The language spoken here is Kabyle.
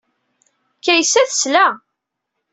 Kaysa tesla.